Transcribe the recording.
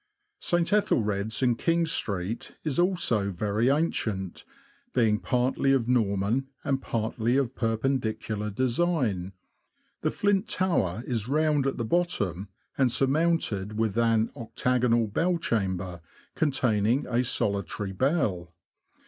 St. Etheldred's, in King Street, is also very ancient, being partly of Norman and partly of Perpendicular design. The flint tower is round at the bottom, and surmounted with an octagonal bell chamber, containing a solitary bell.